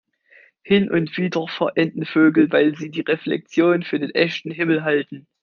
Hin und wieder verenden Vögel, weil sie die Reflexion für den echten Himmel halten.